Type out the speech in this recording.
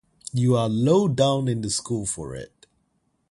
You are low down in the school for it.